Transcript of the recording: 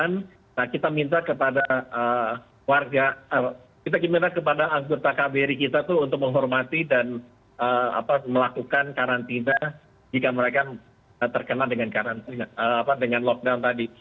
nah kita minta kepada warga kita gimana kepada anggota kbri kita tuh untuk menghormati dan melakukan karantina jika mereka terkena dengan lockdown tadi